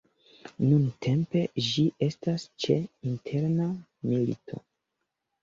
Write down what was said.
Nuntempe, ĝi estas ĉe interna milito.